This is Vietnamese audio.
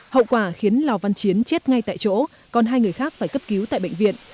hậu quả khiến lào văn chiến chết ngay tại chỗ còn hai người khác phải cấp cứu tại bệnh viện